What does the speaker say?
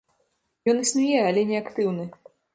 Ён існуе, але не актыўны.